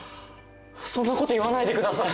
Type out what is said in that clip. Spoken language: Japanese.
そんなこと言わないでください。